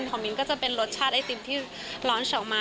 มิ้นก็จะเป็นรสชาติไอติมที่ร้อนชออกมา